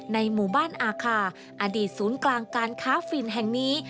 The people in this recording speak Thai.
ในหมู่บ้านอาคาอดีตศูนย์กลางการค้าฝิ่นแห่งนี้